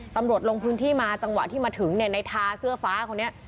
ตำรวจลงพื้นที่มาจังหวะที่มาถึงเนี่ยในทาเสื้อฟ้าคนนี้